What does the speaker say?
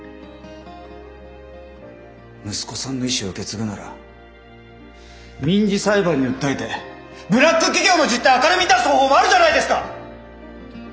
息子さんの遺志を受け継ぐなら民事裁判に訴えてブラック企業の実態を明るみに出す方法もあるじゃないですか！